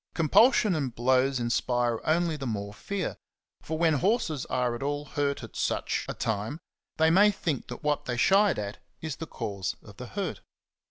Compulsion and blows inspire only the more fear ; for when horses are at all hurt at such 38 XENOPHON ON HORSEMANSHIP. a time, they think that what they shied at is the cause of the hurt.